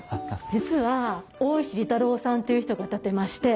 実は大石利太郎さんという人が建てまして。